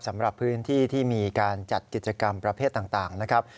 สำหรับพื้นที่ที่มีการจัดกิจกรรมประเภทต่างนะครับ